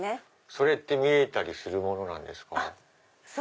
それって見れたりするものなんですか？